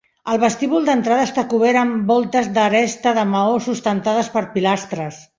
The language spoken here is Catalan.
El vestíbul d'entrada està cobert amb voltes d'aresta de maó sustentades per pilastres.